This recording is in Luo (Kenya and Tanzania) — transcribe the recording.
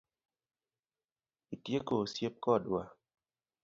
Itieko osiep kodwa?